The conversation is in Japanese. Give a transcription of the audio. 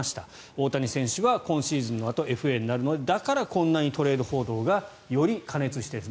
大谷選手は今シーズンのあとＦＡになるのでだからこんなにトレード報道がより過熱している。